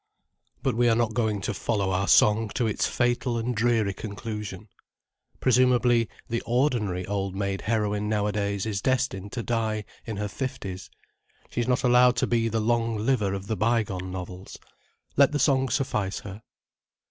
But we are not going to follow our song to its fatal and dreary conclusion. Presumably, the ordinary old maid heroine nowadays is destined to die in her fifties, she is not allowed to be the long liver of the by gone novels. Let the song suffice her.